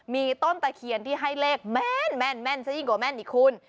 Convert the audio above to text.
มีต้นตะเคียนที่ให้เลขแม่นซะยิ่งกว่าแม่นอีกคุณ